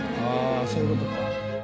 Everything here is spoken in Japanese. ああそういうことか。